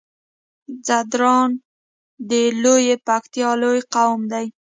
ځدراڼ د لويې پکتيا لوی قوم دی